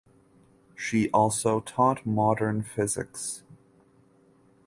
She also taught modern physics.